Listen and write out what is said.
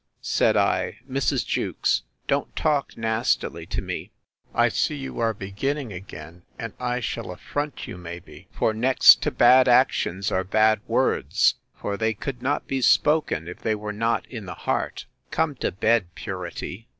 Said I, Mrs. Jewkes, don't talk nastily to me: I see you are beginning again; and I shall affront you, may be; for next to bad actions, are bad words; for they could not be spoken, if they were not in the heart.—Come to bed, purity!